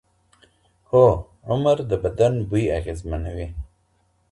هو، عمر د بدن بوی اغېزمنوي.